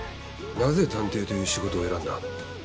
なぜ探偵という仕事を選んだ？